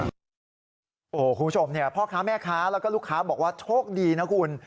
คุณผู้ชมเนี่ยพ่อค้าแม่ค้าแล้วก็ลูกค้าบอกว่าโชคดีนะคุณ